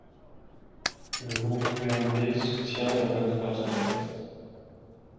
Le groupe UMP soutient et votera ce texte.